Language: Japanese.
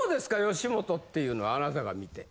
吉本っていうのはあなたが見て。